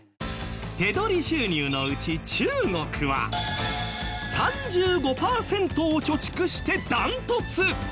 手取り収入のうち中国は３５パーセントを貯蓄してダントツ！